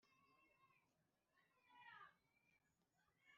amagambo akurikira asobanura ibi bikurikira: